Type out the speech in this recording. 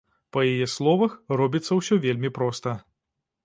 Па яе словах, робіцца ўсё вельмі проста.